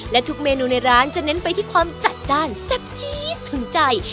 และทุกเมนูในร้านจะเน้นไปที่ความจัดจ้านแซ่บจี๊ดถึงใจ